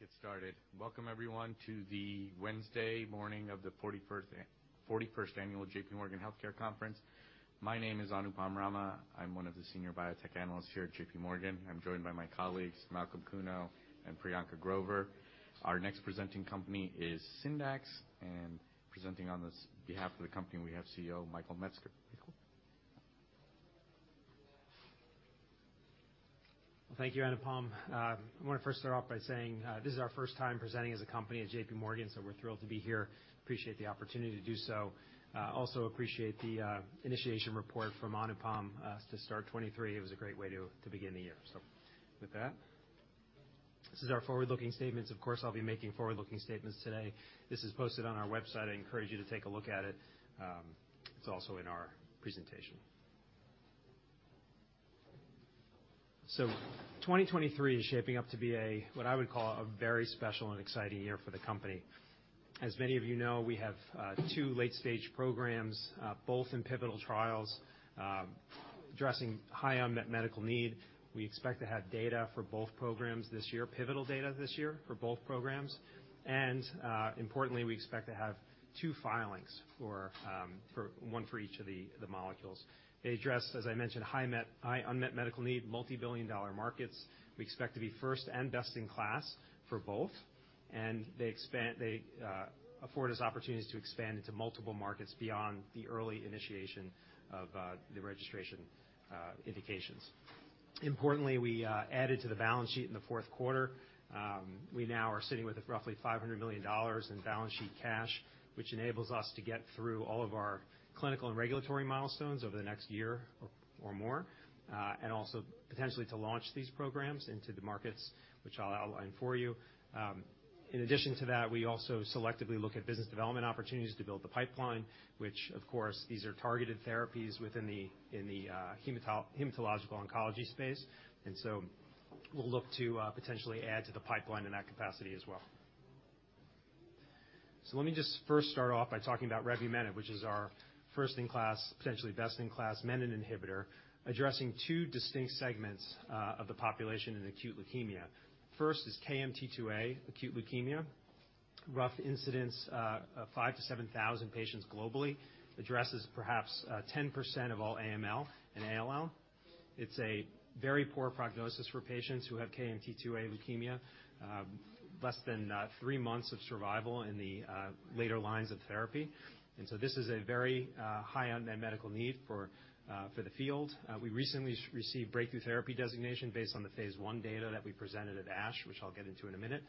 Let's get started. Welcome, everyone, to the Wednesday morning of the 41st Annual JPMorgan Healthcare Conference. My name is Anupam Rama. I'm one of the senior biotech analysts here at JPMorgan. I'm joined by my colleagues, Malcolm Kuno and Priyanka Grover. Our next presenting company is Syndax, and presenting on this behalf of the company, we have CEO, Michael Metzger. Michael. Well, thank you, Anupam. I wanna first start off by saying this is our first time presenting as a company at JPMorgan, we're thrilled to be here. Appreciate the opportunity to do so. Also appreciate the initiation report from Anupam to start 2023. It was a great way to begin the year. With that, this is our forward-looking statements. Of course, I'll be making forward-looking statements today. This is posted on our website. I encourage you to take a look at it. It's also in our presentation. 2023 is shaping up to be what I would call a very special and exciting year for the company. As many of you know, we have two late-stage programs, both in pivotal trials, addressing high unmet medical need. We expect to have data for both programs this year, pivotal data this year for both programs. Importantly, we expect to have two filings for one for each of the molecules. They address, as I mentioned, high unmet medical need, multibillion-dollar markets. We expect to be first and best-in-class for both. They afford us opportunities to expand into multiple markets beyond the early initiation of the registration indications. Importantly, we added to the balance sheet in the fourth quarter. We now are sitting with roughly $500 million in balance sheet cash, which enables us to get through all of our clinical and regulatory milestones over the next year or more, and also potentially to launch these programs into the markets, which I'll outline for you. In addition to that, we also selectively look at business development opportunities to build the pipeline, which of course, these are targeted therapies within the, in the hematological oncology space. We'll look to potentially add to the pipeline in that capacity as well. Let me just first start off by talking about revumenib, which is our first-in-class, potentially best-in-class menin inhibitor, addressing two distinct segments of the population in acute leukemia. First is KMT2A acute leukemia. Rough incidence of 5,000-7,000 patients globally, addresses perhaps 10% of all AML and ALL. It's a very poor prognosis for patients who have KMT2A leukemia, less than three months of survival in the later lines of therapy. This is a very high unmet medical need for the field. We recently received breakthrough therapy designation based on the phase I data that we presented at ASH, which I'll get into in a minute.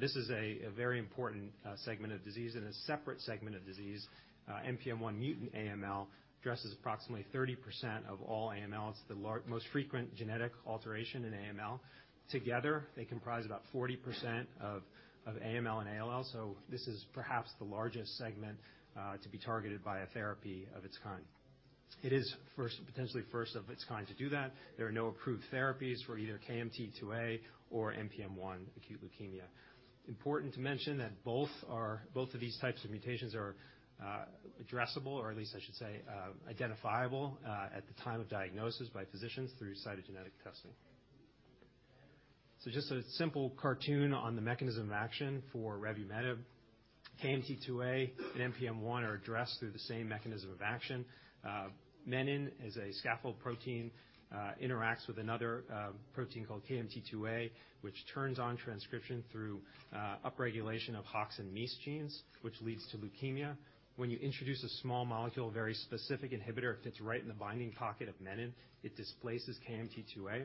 This is a very important segment of disease and a separate segment of disease. NPM1 mutant AML addresses approximately 30% of all AML. It's the most frequent genetic alteration in AML. Together, they comprise about 40% of AML and ALL, so this is perhaps the largest segment to be targeted by a therapy of its kind. It is potentially first of its kind to do that. There are no approved therapies for either KMT2A or NPM1 acute leukemia. Important to mention that both of these types of mutations are addressable, or at least I should say, identifiable at the time of diagnosis by physicians through cytogenetic testing. Just a simple cartoon on the mechanism of action for revumenib. KMT2A and NPM1 are addressed through the same mechanism of action. Menin is a scaffold protein, interacts with another protein called KMT2A, which turns on transcription through upregulation of HOX and MEIS genes, which leads to leukemia. When you introduce a small molecule, a very specific inhibitor, it fits right in the binding pocket of menin. It displaces KMT2A,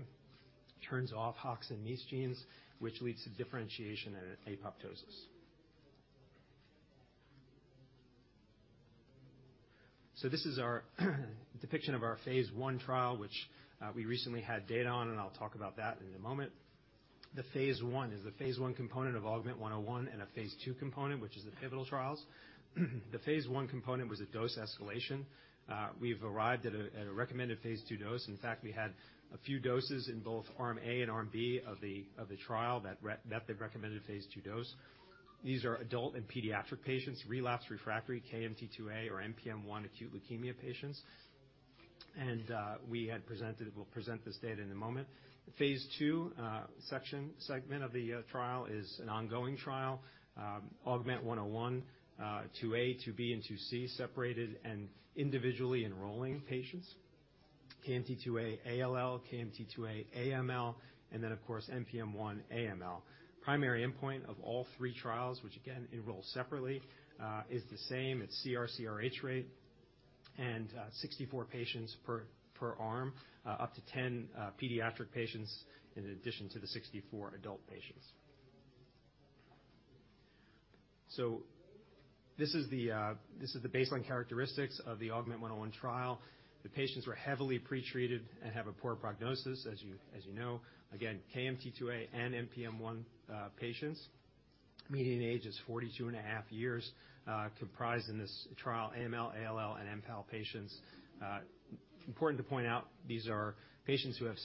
turns off HOX and MEIS genes, which leads to differentiation and apoptosis. This is our depiction of our phase I trial, which we recently had data on, and I'll talk about that in a moment. The phase I is the phase I component of AUGMENT-101 and a phase II component, which is the pivotal trials. The phase I component was a dose escalation. We've arrived at a, at a recommended phase II dose. In fact, we had a few doses in both arm A and arm B of the, of the trial that they've recommended phase II dose. These are adult and pediatric patients, relapsed, refractory, KMT2A or NPM1 acute leukemia patients. We'll present this data in a moment. Phase II segment of the trial is an ongoing trial, AUGMENT-101, 2A, 2B, and 2C, separated and individually enrolling patients. KMT2A ALL, KMT2A AML, and then, of course, NPM1 AML. Primary endpoint of all three trials, which again enroll separately, is the same. It's CRCRH rate and 64 patients per arm, up to 10 pediatric patients in addition to the 64 adult patients. This is the baseline characteristics of the AUGMENT-101 trial. The patients were heavily pretreated and have a poor prognosis, as you know. Again, KMT2A and NPM1 patients. Median age is 42 and a half years, comprised in this trial AML, ALL, and MPAL patients. Important to point out, these are patients who have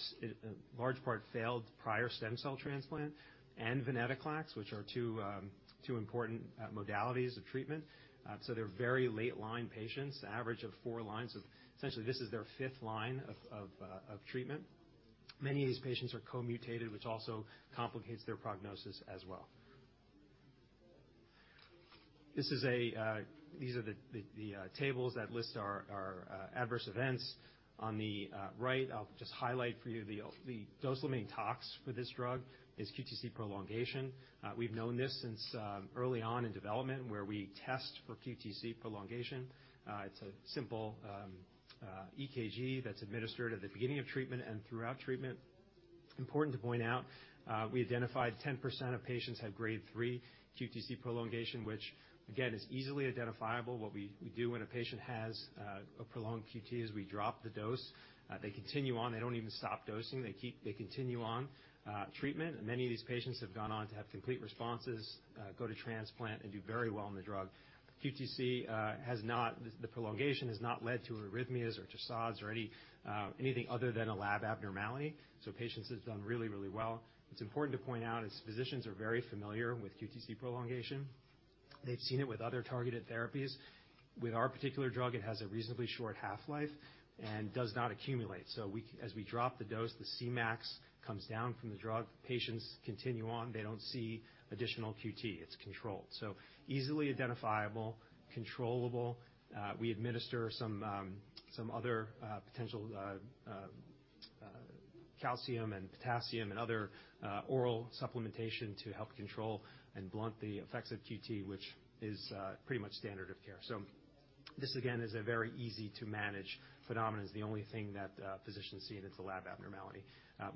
large part failed prior stem cell transplant and venetoclax, which are two important modalities of treatment. They're very late line patients, average of four lines of. Essentially, this is their fifth line of treatment. Many of these patients are co-mutated, which also complicates their prognosis as well. These are the tables that list our adverse events. On the right, I'll just highlight for you the dose limiting tox for this drug is QTc prolongation. We've known this since early on in development where we test for QTc prolongation. It's a simple EKG that's administered at the beginning of treatment and throughout treatment. Important to point out, we identified 10% of patients had grade three QTc prolongation, which again, is easily identifiable. What we do when a patient has a prolonged QT is we drop the dose. They continue on, they don't even stop dosing, they continue on treatment, and many of these patients have gone on to have complete responses, go to transplant and do very well on the drug. QTC prolongation has not led to arrhythmias or Torsades or anything other than a lab abnormality, so patients have done really, really well. It's important to point out is physicians are very familiar with QTC prolongation. They've seen it with other targeted therapies. With our particular drug, it has a reasonably short half-life and does not accumulate, so as we drop the dose, the Cmax comes down from the drug. Patients continue on, they don't see additional QT. It's controlled. Easily identifiable, controllable, we administer some other potential calcium and potassium and other oral supplementation to help control and blunt the effects of QT which is pretty much standard of care. This again, is a very easy to manage phenomenon, is the only thing that physicians see and it's a lab abnormality.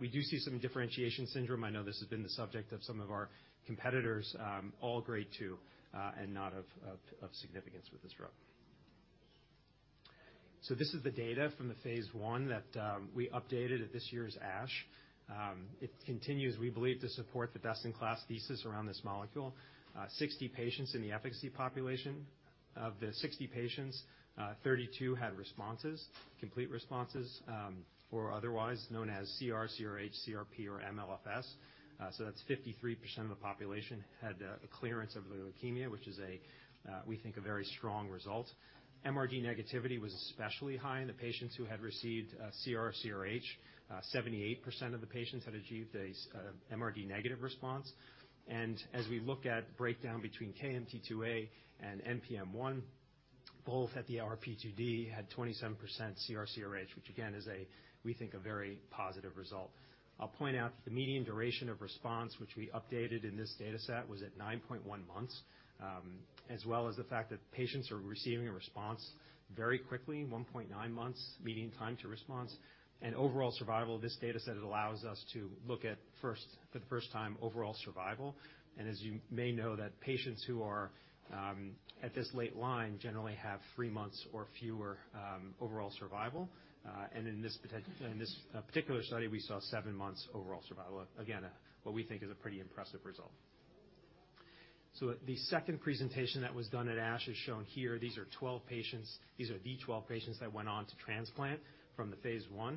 We do see some differentiation syndrome. I know this has been the subject of some of our competitors, all grade two, and not of significance with this drug. This is the data from the phase I that we updated at this year's ASH. It continues, we believe, to support the best-in-class thesis around this molecule. 60 patients in the efficacy population. Of the 60 patients, 32 had responses, complete responses, or otherwise known as CR, CRH, CRP, or MLFS. That's 53% of the population had a clearance of the leukemia, which is a, we think a very strong result. MRD negativity was especially high in the patients who had received CR or CRH. 78% of the patients had achieved a MRD negative response. As we look at breakdown between KMT2A and NPM1, both at the RP2D had 27% CR CRH, which again is a, we think a very positive result. I'll point out the median duration of response which we updated in this data set was at 9.1 months, as well as the fact that patients are receiving a response very quickly, 1.9 months, median time to response. Overall survival, this data set allows us to look at for the first time overall survival. As you may know, that patients who are at this late line generally have three months or fewer overall survival. And in this particular study, we saw seven months overall survival. Again, what we think is a pretty impressive result. The second presentation that was done at ASH is shown here. These are 12 patients. These are the 12 patients that went on to transplant from the phase I.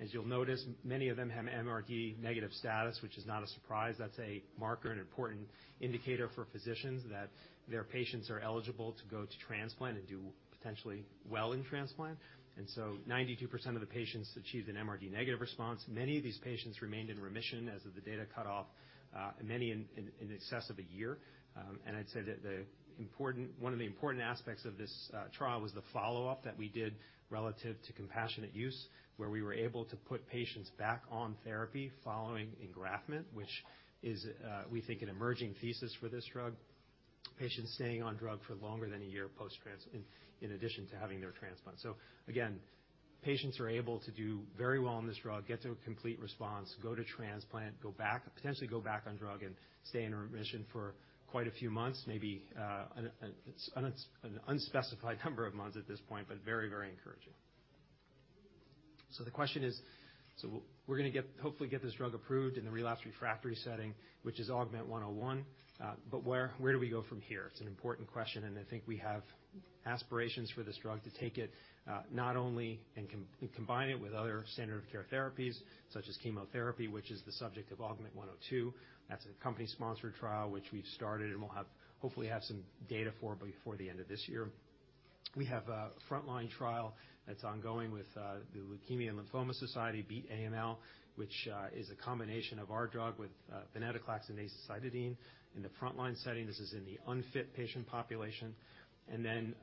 As you'll notice, many of them have MRD negative status, which is not a surprise. That's a marker, an important indicator for physicians that their patients are eligible to go to transplant and do potentially well in transplant. Ninety-two percent of the patients achieved an MRD negative response. Many of these patients remained in remission as of the data cutoff, and many in excess of one year. I'd say that the important. One of the important aspects of this trial was the follow-up that we did relative to compassionate use, where we were able to put patients back on therapy following engraftment, which is, we think an emerging thesis for this drug. Patients staying on drug for longer than a year in addition to having their transplant. Again, patients are able to do very well on this drug, get to a complete response, go to transplant, potentially go back on drug and stay in remission for quite a few months, maybe an unspecified number of months at this point, but very, very encouraging. The question is, hopefully get this drug approved in the relapsed refractory setting, which is AUGMENT-101. Where do we go from here? It's an important question, and I think we have aspirations for this drug to take it, not only combine it with other standard of care therapies such as chemotherapy, which is the subject of AUGMENT-102. That's a company-sponsored trial which we've started and will have, hopefully have some data for before the end of this year. We have a frontline trial that's ongoing with The Leukemia & Lymphoma Society, Beat AML, which is a combination of our drug with venetoclax and azacitidine. In the frontline setting, this is in the unfit patient population. Then an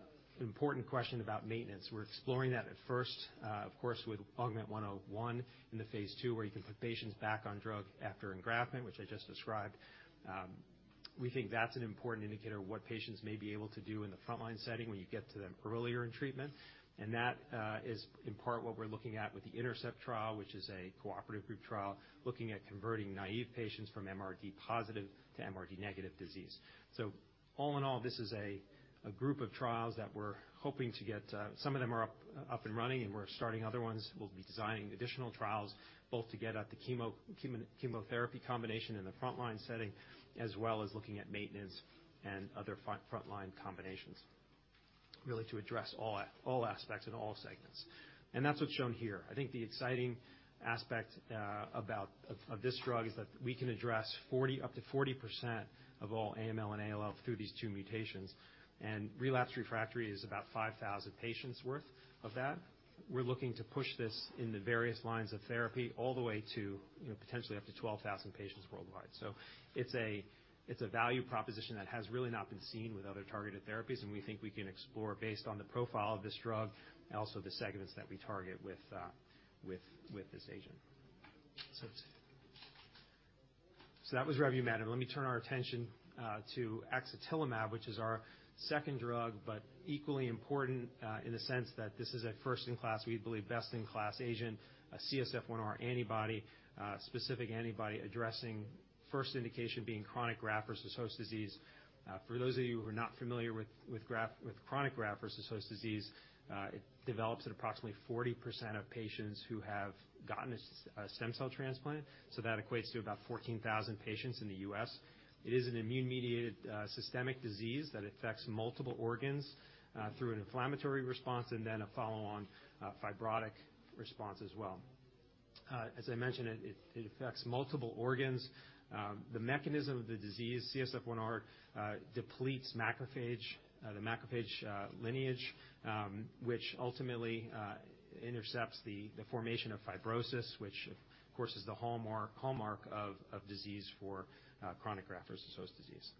important question about maintenance. We're exploring that at first, of course, with AUGMENT-101 in the phase II, where you can put patients back on drug after engraftment, which I just described. We think that's an important indicator of what patients may be able to do in the frontline setting when you get to them earlier in treatment. That is in part what we're looking at with the INTERCEPT trial, which is a cooperative group trial, looking at converting naive patients from MRD positive to MRD negative disease. All in all, this is a group of trials that we're hoping to get, some of them are up and running, and we're starting other ones. We'll be designing additional trials both to get at the chemotherapy combination in the frontline setting, as well as looking at maintenance and other frontline combinations, really to address all aspects and all segments. That's what's shown here. I think the exciting aspect of this drug is that we can address 40 up to 40% of all AML and ALL through these two mutations. Relapsed refractory is about 5,000 patients worth of that. We're looking to push this into various lines of therapy all the way to, you know, potentially up to 12,000 patients worldwide. It's a, it's a value proposition that has really not been seen with other targeted therapies, and we think we can explore based on the profile of this drug, also the segments that we target with this agent. That was revumenib. Let me turn our attention to axatilimab, which is our second drug, but equally important in the sense that this is a first-in-class, we believe, best-in-class agent, a CSF1R antibody, specific antibody addressing first indication being chronic graft-versus-host disease. For those of you who are not familiar with chronic graft-versus-host disease, it develops at approximately 40% of patients who have gotten a stem cell transplant. That equates to about 14,000 patients in the U.S. It is an immune-mediated, systemic disease that affects multiple organs, through an inflammatory response and then a follow-on, fibrotic response as well. As I mentioned, it affects multiple organs. The mechanism of the disease, CSF1R, depletes macrophage, the macrophage lineage, which ultimately intercepts the formation of fibrosis, which of course is the hallmark of disease for chronic graft-versus-host disease.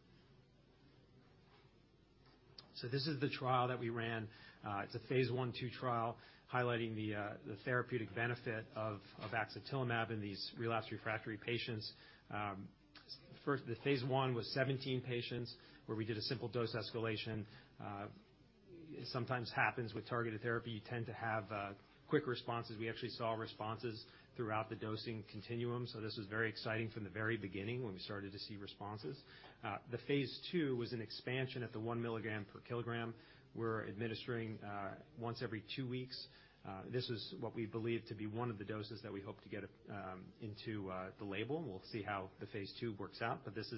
This is the trial that we ran. It's a phase I/II trial highlighting the therapeutic benefit of axatilimab in these relapsed refractory patients. First, the phase I was 17 patients where we did a simple dose escalation. It sometimes happens with targeted therapy. You tend to have quick responses. We actually saw responses throughout the dosing continuum, so this is very exciting from the very beginning when we started to see responses. The phase II was an expansion at the 1 milligram per kilogram. We're administering once every two weeks. This is what we believe to be one of the doses that we hope to get into the label. We'll see how the phase II works out. This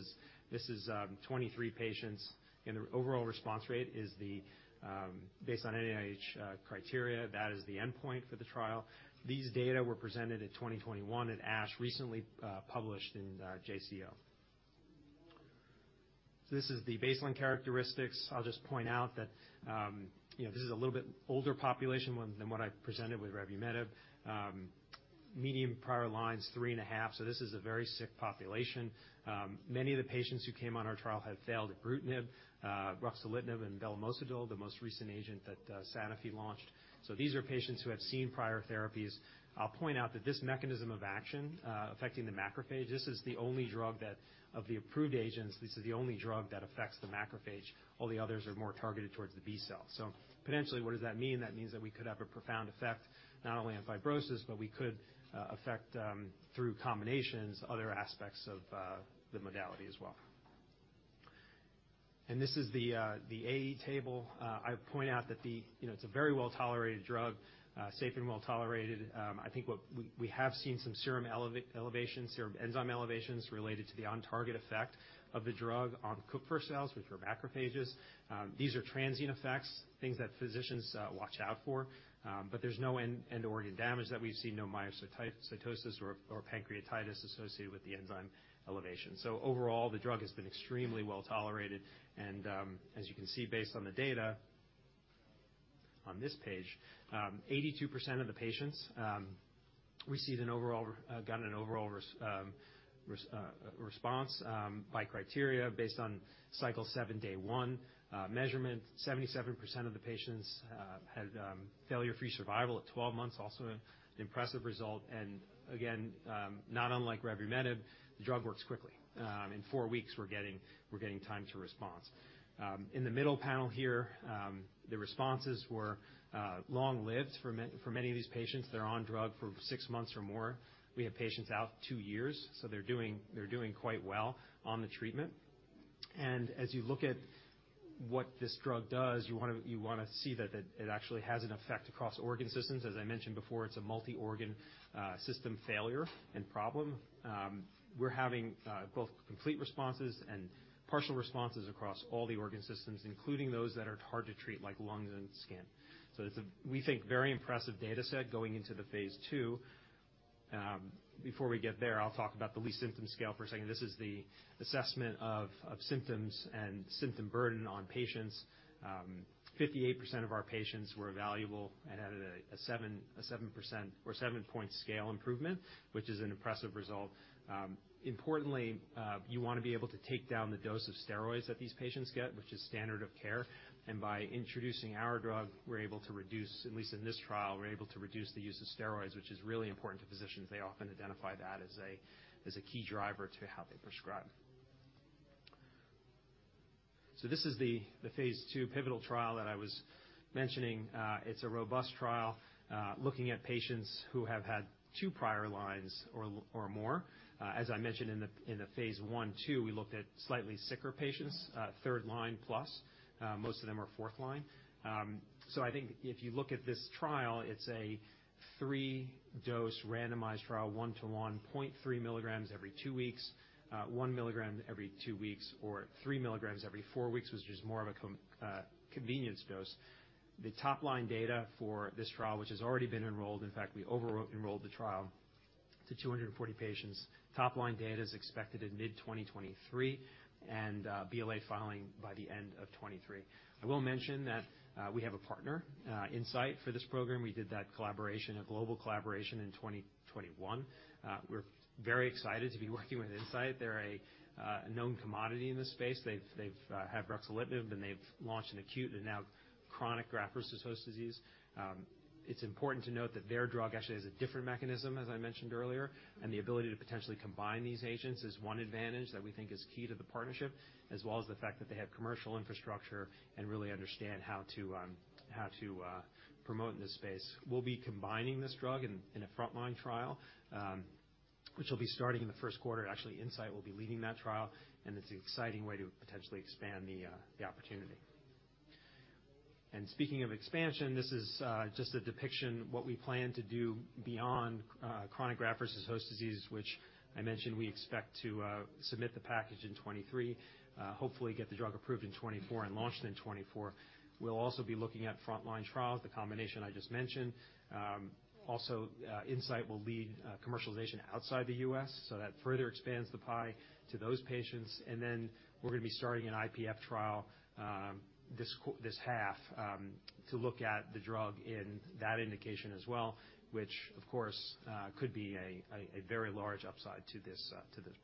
is 23 patients, and the overall response rate is the based on NIH criteria. That is the endpoint for the trial. These data were presented at 2021 at ASH, recently published in JCO. This is the baseline characteristics. I'll just point out that, you know, this is a little bit older population than what I presented with revumenib. Median prior lines, 3.5, this is a very sick population. Many of the patients who came on our trial had failed ibrutinib, ruxolitinib, and belumosudil, the most recent agent that Sanofi launched. These are patients who have seen prior therapies. I'll point out that this mechanism of action, affecting the macrophage, this is the only drug that, of the approved agents, this is the only drug that affects the macrophage. All the others are more targeted towards the B cell. Potentially, what does that mean? That means that we could have a profound effect not only on fibrosis, but we could affect through combinations other aspects of the modality as well. This is the AE table. I point out that, you know, it's a very well-tolerated drug, safe and well tolerated. I think what. We have seen some serum elevations, serum enzyme elevations related to the on-target effect of the drug on Kupffer cells, which are macrophages. These are transient effects, things that physicians watch out for. There's no end-end organ damage that we've seen, no cytosis or pancreatitis associated with the enzyme elevation. Overall, the drug has been extremely well tolerated and, as you can see based on the data on this page, 82% of the patients received an overall got an overall response by criteria based on cycle seven, day one, measurement. 77% of the patients had failure-free survival at 12 months, also an impressive result. Again, not unlike revumenib, the drug works quickly. In four weeks, we're getting time to response. In the middle panel here, the responses were long-lived for many of these patients. They're on drug for six months or more. We have patients out two years, so they're doing quite well on the treatment. As you look at what this drug does, you wanna see that it actually has an effect across organ systems. As I mentioned before, it's a multi-organ system failure and problem. We're having both complete responses and partial responses across all the organ systems, including those that are hard to treat, like lungs and skin. It's a, we think, very impressive data set going into the phase II. Before we get there, I'll talk about the Lee Symptom Scale for a second. This is the assessment of symptoms and symptom burden on patients. 58% of our patients were evaluable and had a 7% or 7-point scale improvement, which is an impressive result. Importantly, you wanna be able to take down the dose of steroids that these patients get, which is standard of care. By introducing our drug, we're able to reduce, at least in this trial, we're able to reduce the use of steroids, which is really important to physicians. They often identify that as a key driver to how they prescribe. This is the phase I pivotal trial that I was mentioning. It's a robust trial, looking at patients who have had two prior lines or more. As I mentioned in the phase I/II, we looked at slightly sicker patients, third line plus. Most of them are fourth line. I think if you look at this trial, it's a three-dose randomized trial, 1-1.3 milligrams every two weeks, 1 milligram every two weeks or 3 milligrams every four weeks, which is more of a convenience dose. The top-line data for this trial, which has already been enrolled, in fact, we over enrolled the trial to 240 patients. Top line data is expected in mid-2023, and BLA filing by the end of 2023. I will mention that we have a partner, Incyte, for this program. We did that collaboration, a global collaboration in 2021. We're very excited to be working with Incyte. They're a known commodity in this space. They've have ruxolitinib, and they've launched an acute and now chronic graft-versus-host disease. It's important to note that their drug actually has a different mechanism, as I mentioned earlier, and the ability to potentially combine these agents is one advantage that we think is key to the partnership, as well as the fact that they have commercial infrastructure and really understand how to, how to promote in this space. We'll be combining this drug in a frontline trial, which will be starting in the first quarter. Actually, Incyte will be leading that trial, and it's an exciting way to potentially expand the opportunity. Speaking of expansion, this is just a depiction what we plan to do beyond chronic graft-versus-host disease, which I mentioned we expect to submit the package in 2023, hopefully get the drug approved in 2024 and launched in 2024. We'll also be looking at frontline trials, the combination I just mentioned. Also, Incyte will lead commercialization outside the U.S., so that further expands the pie to those patients. We're gonna be starting an IPF trial this half to look at the drug in that indication as well, which of course, could be a very large upside to this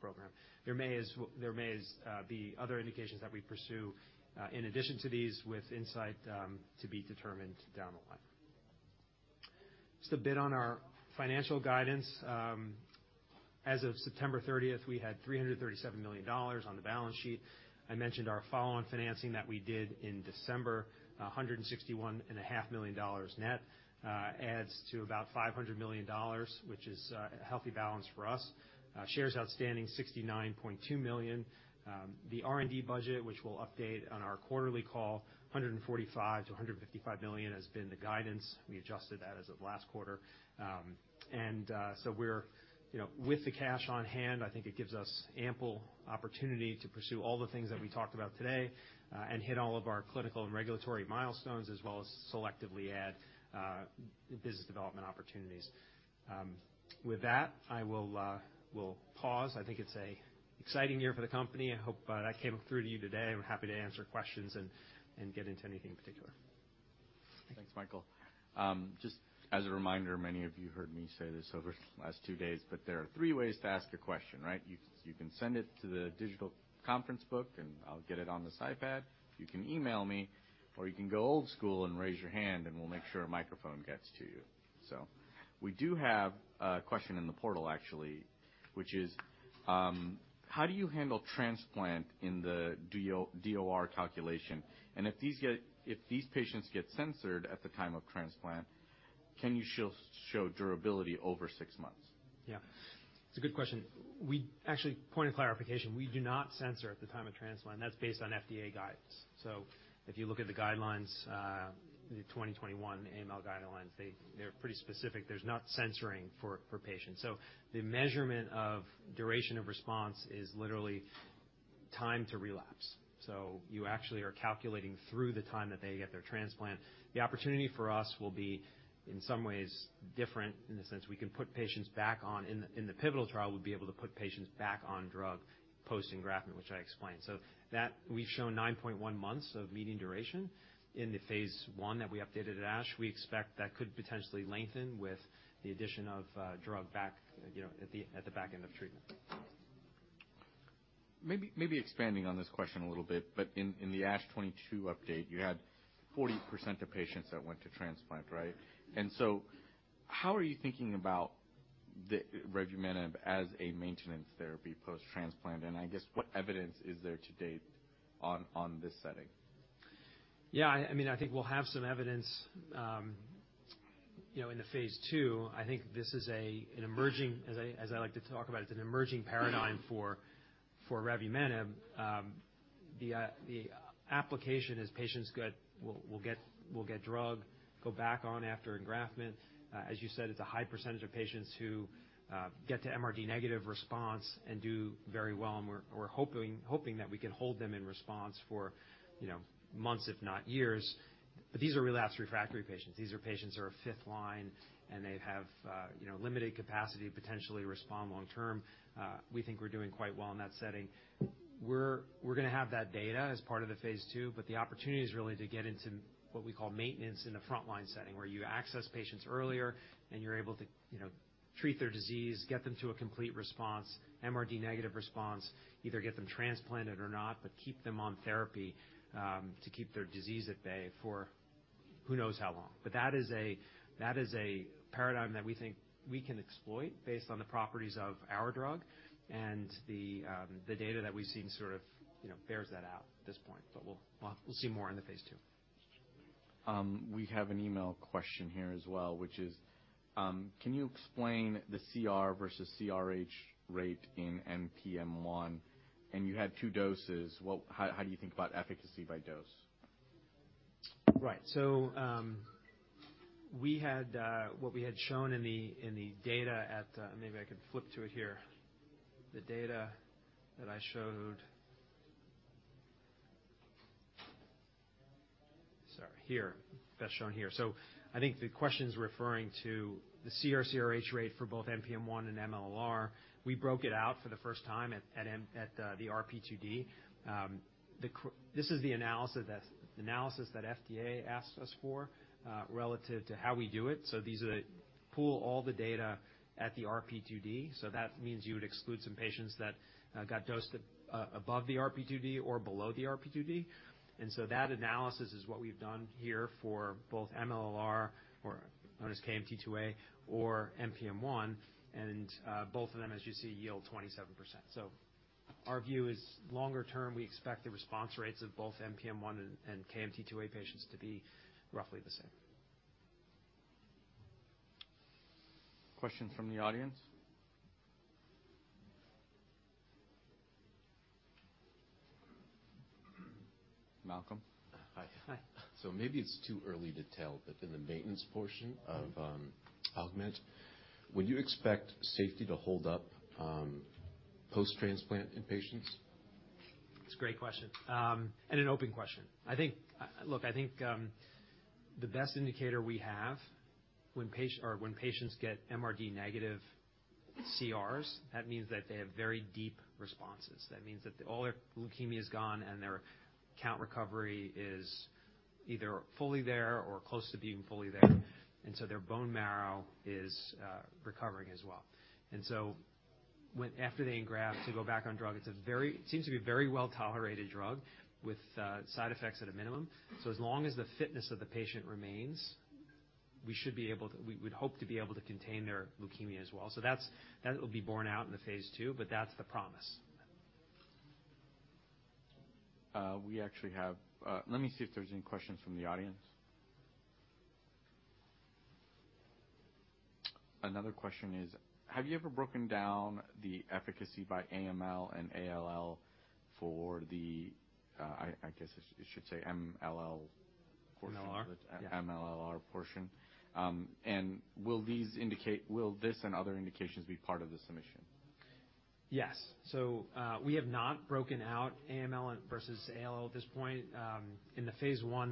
program. There may as be other indications that we pursue in addition to these with Incyte to be determined down the line. Just a bit on our financial guidance. As of September 30th, we had $337 million on the balance sheet. I mentioned our follow-on financing that we did in December, $161.5 million net, adds to about $500 million, which is a healthy balance for us. Shares outstanding 69.2 million. The R&D budget, which we'll update on our quarterly call, $145 million-$155 million has been the guidance. We adjusted that as of last quarter. We're, you know, with the cash on hand, I think it gives us ample opportunity to pursue all the things that we talked about today, and hit all of our clinical and regulatory milestones, as well as selectively add business development opportunities. With that, I will pause. I think it's a exciting year for the company. I hope I came through to you today. I'm happy to answer questions and get into anything in particular. Thanks, Michael. Just as a reminder, many of you heard me say this over the last two days, but there are three ways to ask a question, right? You can send it to the digital conference book, and I'll get it on this iPad. You can email me, or you can go old school and raise your hand, and we'll make sure a microphone gets to you. We do have a question in the portal actually, which is, how do you handle transplant in the DOR calculation? And if these patients get censored at the time of transplant, can you show durability over six months? Yeah, it's a good question. Actually, point of clarification, we do not censor at the time of transplant. That's based on FDA guidance. If you look at the guidelines, the 2021 AML guidelines, they're pretty specific. There's not censoring for patients. The measurement of duration of response is literally time to relapse. You actually are calculating through the time that they get their transplant. The opportunity for us will be, in some ways different in the sense we can put patients back on. In the pivotal trial, we'll be able to put patients back on drug posting graftment, which I explained. That we've shown 9.1 months of median duration in the phase I that we updated at ASH. We expect that could potentially lengthen with the addition of, drug back, you know, at the, at the back end of treatment. Maybe expanding on this question a little bit, but in the ASH 22 update, you had 40% of patients that went to transplant, right? How are you thinking about the revumenib as a maintenance therapy post-transplant? I guess, what evidence is there to date on this setting? Yeah, I mean, I think we'll have some evidence, you know, in the phase II. I think this is an emerging, as I, as I like to talk about, it's an emerging paradigm for revumenib. The application is patients get, will get drug, go back on after engraftment. As you said, it's a high percentage of patients who get to MRD negative response and do very well, and we're hoping that we can hold them in response for, you know, months if not years. These are relapsed refractory patients. These are patients who are fifth line, and they have, you know, limited capacity to potentially respond long term. We think we're doing quite well in that setting. We're gonna have that data as part of the phase II. The opportunity is really to get into what we call maintenance in a frontline setting, where you access patients earlier and you're able to, you know, treat their disease, get them to a complete response, MRD negative response, either get them transplanted or not, but keep them on therapy to keep their disease at bay for who knows how long. That is a paradigm that we think we can exploit based on the properties of our drug and the data that we've seen sort of, you know, bears that out at this point. We'll see more in the phase II. We have an email question here as well, which is, can you explain the CR versus CRH rate in NPM1? You had two doses. How do you think about efficacy by dose? Right. we had what we had shown in the data at. Maybe I can flip to it here. The data that I showed. Sorry, here. That's shown here. I think the question's referring to the CR/CRH rate for both NPM1 and MLLr. We broke it out for the first time at the RP2D. the that's the analysis that FDA asked us for relative to how we do it. These are pool all the data at the RP2D. That means you would exclude some patients that got dosed above the RP2D or below the RP2D. That analysis is what we've done here for both MLLr or known as KMT2A or NPM1, and both of them, as you see, yield 27%. Our view is longer term, we expect the response rates of both NPM1 and KMT2A patients to be roughly the same. Questions from the audience. Malcolm? Hi. Hi. Maybe it's too early to tell, but in the maintenance portion of Augment, would you expect safety to hold up post-transplant in patients? It's a great question, and an open question. The best indicator we have when patients get MRD negative CRs, that means that they have very deep responses. That means that all their leukemia is gone, and their count recovery is either fully there or close to being fully there. Their bone marrow is recovering as well. After they engraft to go back on drug, it seems to be a very well-tolerated drug with side effects at a minimum. As long as the fitness of the patient remains, we would hope to be able to contain their leukemia as well. That's, that will be borne out in the phase II, but that's the promise. Let me see if there's any questions from the audience. Another question is, have you ever broken down the efficacy by AML and ALL for the, I guess it should say MLLr portion. MLLr? Yeah, MLLr portion. Will this and other indications be part of the submission? Yes. We have not broken out AML versus ALL at this point. In the phase I,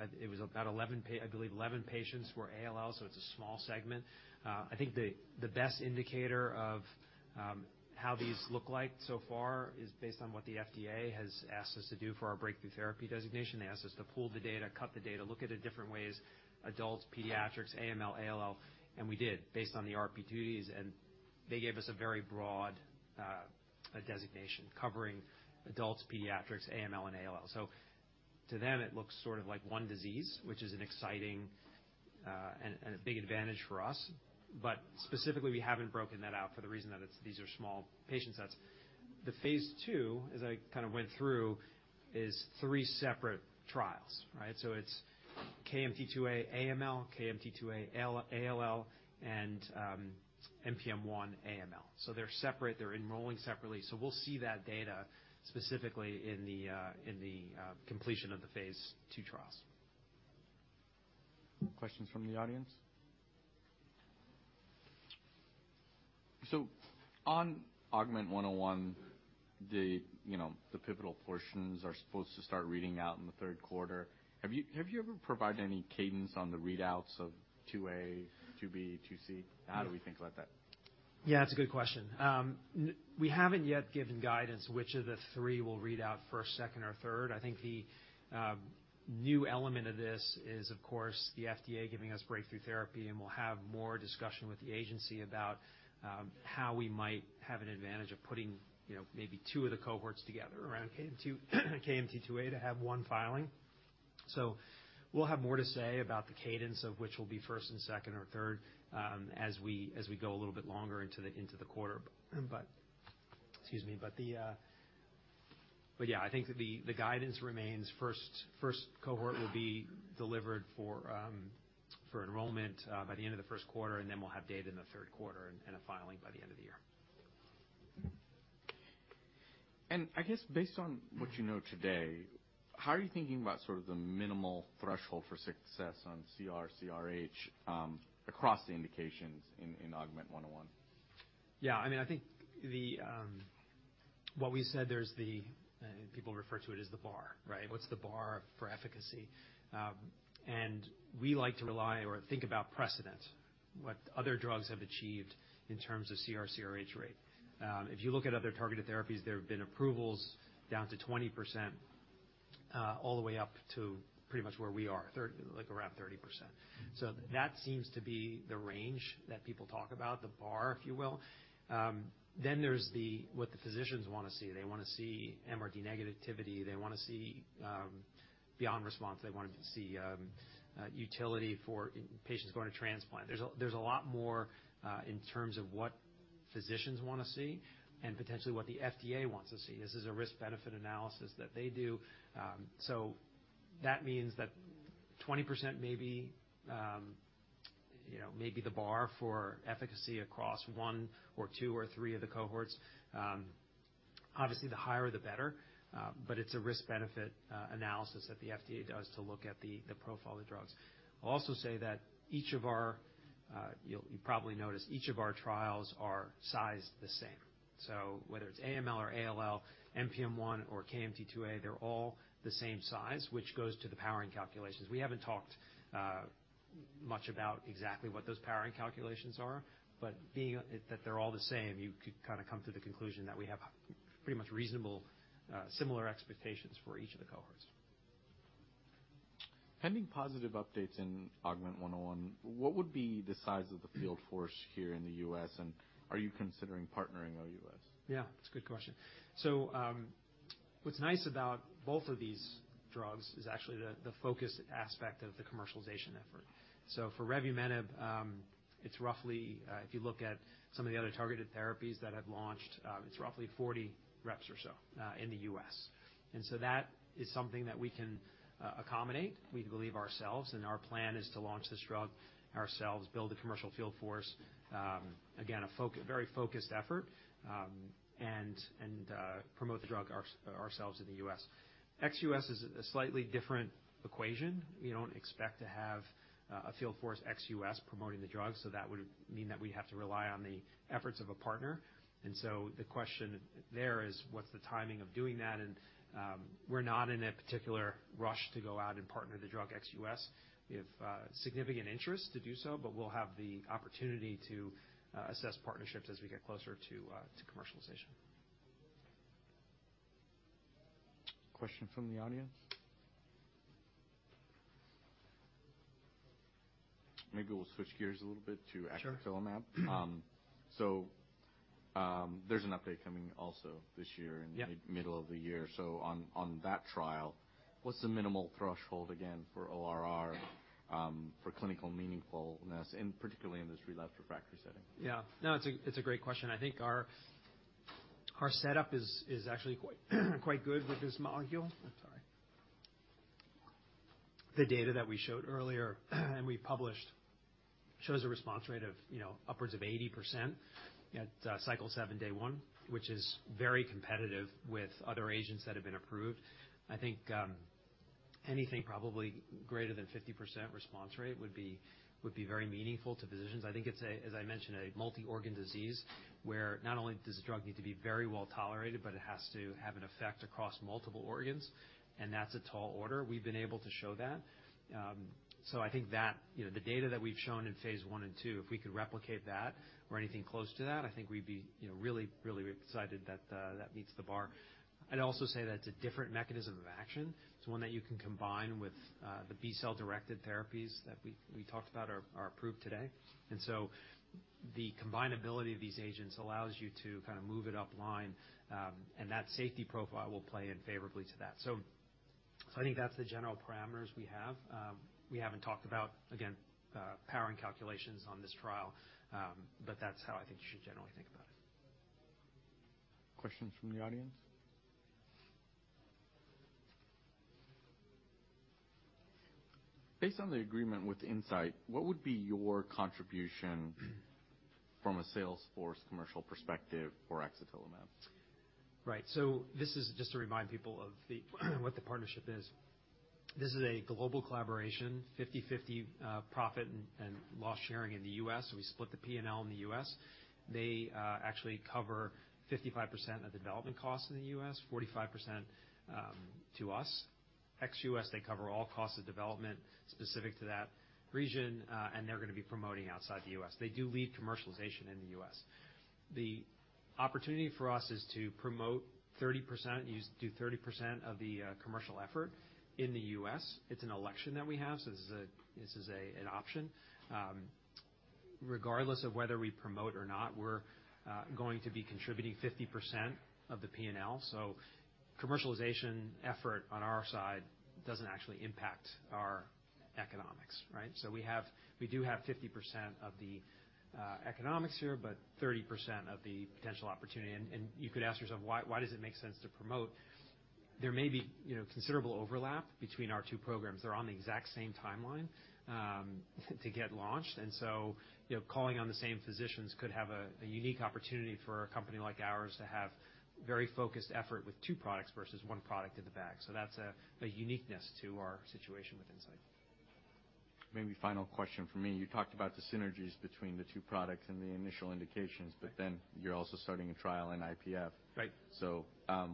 I believe 11 patients were ALL, so it's a small segment. I think the best indicator of how these look like so far is based on what the FDA has asked us to do for our breakthrough therapy designation. They asked us to pool the data, cut the data, look at it different ways, adults, pediatrics, AML, ALL. We did based on the RP2Ds, and they gave us a very broad designation covering adults, pediatrics, AML, and ALL. To them, it looks sort of like one disease, which is an exciting and a big advantage for us. Specifically, we haven't broken that out for the reason that these are small patient sets. The phase II, as I kind of went through, is three separate trials, right? It's KMT2A AML, KMT2A ALL, and NPM1 AML. They're separate, they're enrolling separately. We'll see that data specifically in the in the completion of the phase II trials. Questions from the audience. On AUGMENT-101, the, you know, the pivotal portions are supposed to start reading out in the third quarter. Have you ever provided any cadence on the readouts of 2A, 2B, 2C? How do we think about that? Yeah, it's a good question. We haven't yet given guidance which of the three we'll read out first, second or third. I think the new element of this is, of course, the FDA giving us Breakthrough Therapy, and we'll have more discussion with the agency about how we might have an advantage of putting, you know, maybe two of the cohorts together around KMT2A to have one filing. We'll have more to say about the cadence of which will be first and second or third, as we, as we go a little bit longer into the, into the quarter. Excuse me. Yeah, I think the guidance remains first cohort will be delivered for enrollment by the end of the first quarter, and then we'll have data in the third quarter and a filing by the end of the year. I guess based on what you know today, how are you thinking about sort of the minimal threshold for success on CR/CRH, across the indications in AUGMENT-101? Yeah, I mean, I think the what we said, there's the people refer to it as the bar, right? What's the bar for efficacy? We like to rely or think about precedent, what other drugs have achieved in terms of CR/CRH rate. If you look at other targeted therapies, there have been approvals down to 20%, all the way up to pretty much where we are, like around 30%. That seems to be the range that people talk about, the bar, if you will. Then there's the what the physicians wanna see. They wanna see MRD negativity. They wanna see beyond response. They want to see utility for patients going to transplant. There's a, there's a lot more in terms of what physicians wanna see and potentially what the FDA wants to see. This is a risk-benefit analysis that they do. That means that 20% may be, you know, may be the bar for efficacy across one or two or three of the cohorts. Obviously, the higher the better, it's a risk-benefit analysis that the FDA does to look at the profile of the drugs. I'll also say that each of our, you probably notice each of our trials are sized the same. Whether it's AML or ALL, NPM1 or KMT2A, they're all the same size, which goes to the powering calculations. We haven't talked much about exactly what those powering calculations are, being that they're all the same, you could kinda come to the conclusion that we have pretty much reasonable similar expectations for each of the cohorts. Pending positive updates in AUGMENT-101, what would be the size of the field force here in the U.S., and are you considering partnering OUS? Yeah, that's a good question. What's nice about both of these drugs is actually the focus aspect of the commercialization effort. For revumenib, it's roughly, if you look at some of the other targeted therapies that have launched, it's roughly 40 reps or so in the U.S. That is something that we can accommodate, we believe ourselves, and our plan is to launch this drug ourselves, build a commercial field force, again, a very focused effort, and promote the drug ourselves in the U.S. Ex-U.S. is a slightly different equation. We don't expect to have a field force ex-U.S. promoting the drug, so that would mean that we'd have to rely on the efforts of a partner. The question there is, what's the timing of doing that? We're not in a particular rush to go out and partner the drug ex-U.S. We have significant interest to do so, but we'll have the opportunity to assess partnerships as we get closer to commercialization. Question from the audience. Maybe we'll switch gears a little bit. Sure. Axatilimab. There's an update coming also this year. Yeah. In the middle of the year. On that trial, what's the minimal threshold again for ORR, for clinical meaningfulness and particularly in this relapsed refractory setting? No, it's a great question. I think our setup is actually quite good with this molecule. I'm sorry. The data that we showed earlier and we published shows a response rate of, you know, upwards of 80% at cycle seven, day one, which is very competitive with other agents that have been approved. I think anything probably greater than 50% response rate would be very meaningful to physicians. I think it's, as I mentioned, a multi-organ disease where not only does the drug need to be very well tolerated, but it has to have an effect across multiple organs, and that's a tall order. We've been able to show that. I think that, you know, the data that we've shown in phase I and II, if we could replicate that or anything close to that, I think we'd be, you know, really, really excited that meets the bar. I'd also say that it's a different mechanism of action. It's one that you can combine with the B-cell directed therapies that we talked about are approved today. The combinability of these agents allows you to kind of move it upline, and that safety profile will play in favorably to that. I think that's the general parameters we have. We haven't talked about, again, powering calculations on this trial, but that's how I think you should generally think about it. Questions from the audience. Based on the agreement with Incyte, what would be your contribution from a sales force commercial perspective for axatilimab? Right. This is just to remind people of what the partnership is. This is a global collaboration, 50/50 profit and loss sharing in the U.S. We split the P&L in the U.S. They actually cover 55% of the development costs in the U.S., 45% to us. Ex-U.S., they cover all costs of development specific to that region, and they're gonna be promoting outside the U.S. They do lead commercialization in the U.S. The opportunity for us is to promote 30%, do 30% of the commercial effort in the U.S. It's an election that we have, this is an option. Regardless of whether we promote or not, we're going to be contributing 50% of the P&L. Commercialization effort on our side doesn't actually impact our economics, right? We do have 50% of the economics here, but 30% of the potential opportunity. you could ask yourself, why does it make sense to promote? There may be, you know, considerable overlap between our two programs. They're on the exact same timeline to get launched. you know, calling on the same physicians could have a unique opportunity for a company like ours to have very focused effort with two products versus one product in the bag. That's a uniqueness to our situation with Incyte. Maybe final question from me. You talked about the synergies between the two products and the initial indications. Right. You're also starting a trial in IPF. Right.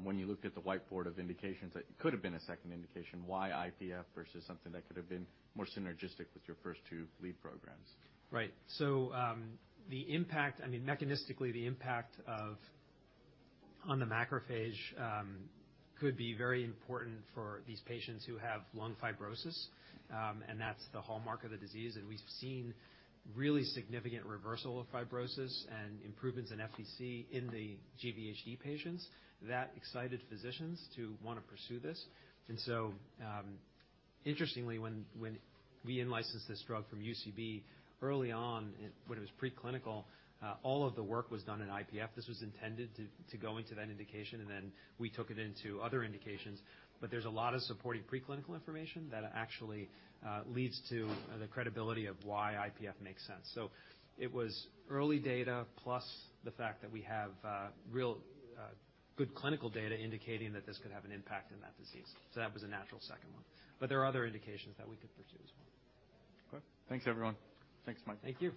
When you looked at the whiteboard of indications, that could have been a second indication why IPF versus something that could have been more synergistic with your first two lead programs. Right. I mean, mechanistically, the impact on the macrophage could be very important for these patients who have lung fibrosis, and that's the hallmark of the disease. We've seen really significant reversal of fibrosis and improvements in FVC in the GVHD patients. That excited physicians to wanna pursue this. Interestingly, when we in-licensed this drug from UCB early on, when it was preclinical, all of the work was done in IPF. This was intended to go into that indication, and then we took it into other indications. There's a lot of supporting preclinical information that actually leads to the credibility of why IPF makes sense. It was early data plus the fact that we have real good clinical data indicating that this could have an impact in that disease. That was a natural second one. There are other indications that we could pursue as well. Cool. Thanks, everyone. Thanks, Mike. Thank you.